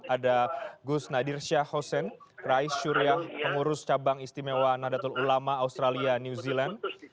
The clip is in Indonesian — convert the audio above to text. ada gus nadir syahosen rais syurya pengurus cabang istimewa nadatul ulama australia new zealand